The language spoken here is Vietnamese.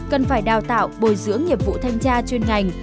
cần phải đào tạo bồi dưỡng nghiệp vụ thanh tra chuyên ngành